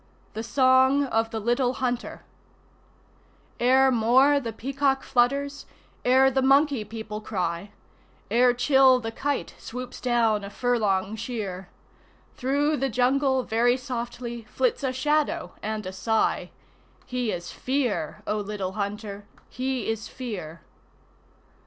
THE SONG OF THE LITTLE HUNTER Ere Mor the Peacock flutters, ere the Monkey People cry, Ere Chil the Kite swoops down a furlong sheer, Through the Jungle very softly flits a shadow and a sigh He is Fear, O Little Hunter, he is Fear!